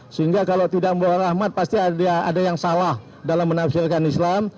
sehingga kalau tidak membawa rahmat pasti ada yang salah dalam menafsirkan islam